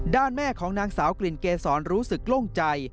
แม่ของนางสาวกลิ่นเกษรรู้สึกโล่งใจ